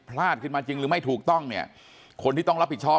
พลาดขึ้นมาจริงหรือไม่ถูกต้องเนี่ยคนที่ต้องรับผิดชอบ